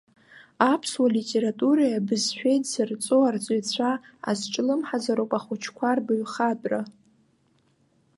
Аԥсуа литературеи абызшәеи дзырҵо арҵаҩцәа азҿлымҳазароуп ахәыҷқәа рбаҩхатәра.